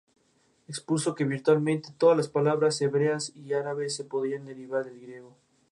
Esta especie está nombrada en honor de Robert Friedrich Wilhelm Mertens.